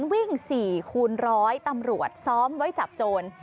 วิ่ง๔คูณร้อยตำรวจซ้อมไว้จับโจร